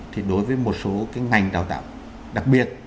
thì đối với một số cái ngành đào tạo đặc biệt